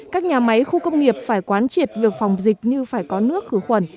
các nhà máy khu công nghiệp phải quán triệt việc phòng dịch như phải có nước khử khuẩn